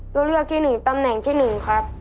ตัวเลือดที่หนึ่งตำแหน่งที่หนึ่งครับ